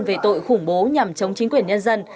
về tội khủng bố nhằm chống chính quyền nhân dân